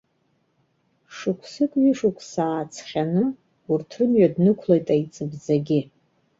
Шықәсык-ҩышықәса ааҵхьаны, урҭ рымҩа днықәлеит аиҵыбӡагьы.